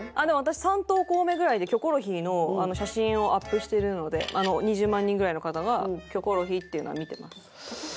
でも私３投稿目ぐらいで『キョコロヒー』の写真をアップしてるので２０万人ぐらいの方が『キョコロヒー』っていうのは見てます。